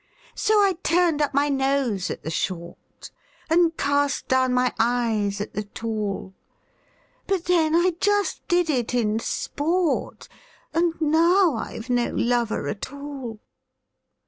So I turned up my nose at the short, And cast down my eyes at the tall; But then I just did it in sport And now I've no lover at all!